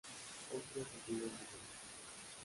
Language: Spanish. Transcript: Otros opinan diferente.